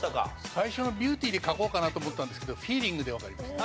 最初のビューティーで書こうかなって思ったんですけど「フィーリング」でわかりました。